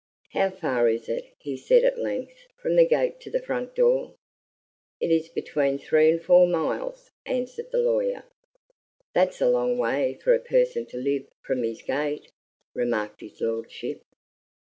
"How far is it," he said, at length, "from the gate to the front door?" "It is between three and four miles," answered the lawyer. "That's a long way for a person to live from his gate," remarked his lordship.